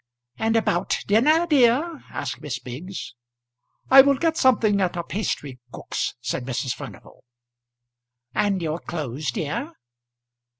"And about dinner, dear?" asked Miss Biggs. "I will get something at a pastrycook's," said Mrs. Furnival. "And your clothes, dear?"